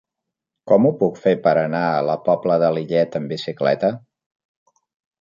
Com ho puc fer per anar a la Pobla de Lillet amb bicicleta?